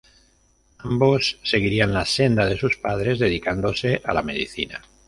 Ambos seguirían la senda de sus padres, dedicándose a la medicina.